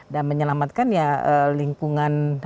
dan menyelamatkan ya lingkungan